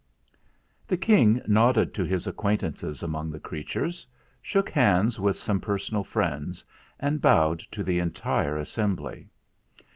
283 The King nodded to his acquaintances among the creatures, shook hands with some personal friends, and bowed to the entire as sembly.